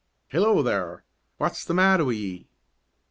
"Hello, ther! W'at's the matter wi' ye?"